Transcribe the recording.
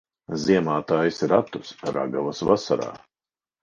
Ziemā taisi ratus, ragavas vasarā.